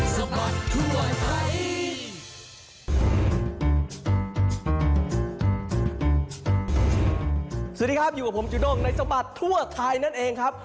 สวัสดีครับอยู่กับผมจูด้งในสบัดทั่วไทยนั่นเองครับ